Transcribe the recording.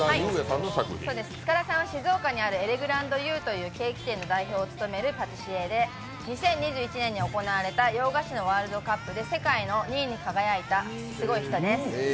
塚田さんは静岡にあるエレグラントユウというケーキ店の代表を務めるパティシエで２０２１年に行われた洋菓子のワールドカップで世界の２位に輝いたすごい人です。